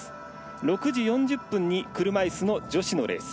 ６時４０分に車いすの女子のレース。